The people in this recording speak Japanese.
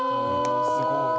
すごい。